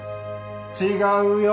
違うよ。